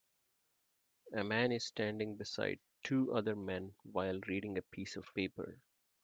A man is standing beside two other men while reading a piece of paper.